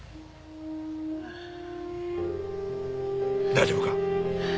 大丈夫か？